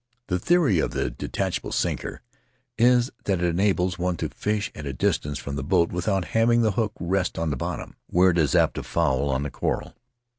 The theory of the detachable sinker is that it enables one to fish at a distance from the boat without having the hook rest on the bottom, where it is apt to foul in the coral.